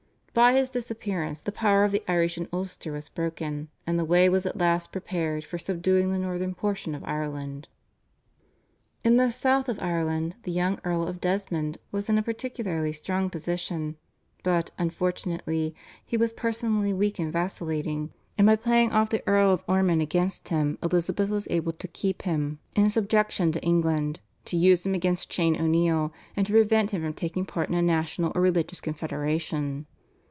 By his disappearance the power of the Irish in Ulster was broken, and the way was at last prepared for subduing the northern portion of Ireland. In the South of Ireland the young Earl of Desmond was in a particularly strong position, but, unfortunately, he was personally weak and vacillating, and by playing off the Earl of Ormond against him Elizabeth was able to keep him in subjection to England, to use him against Shane O'Neill, and to prevent him from taking part in a national or religious confederation.